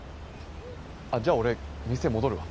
あっじゃあ俺店戻るわ。